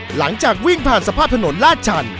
หลังจากวิ่งผ่านสภาพถนนลาดชัน